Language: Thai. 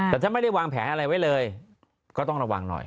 แต่ถ้าไม่ได้วางแผนอะไรไว้เลยก็ต้องระวังหน่อย